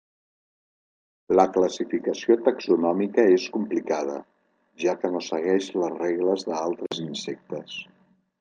La classificació taxonòmica és complicada, ja que no segueix les regles d'altres insectes.